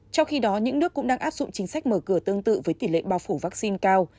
trong khi đó những nước cũng đang áp dụng chính sách mở cửa tương tự với tỷ lệ bao phủ vaccine cao